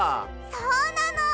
そうなの！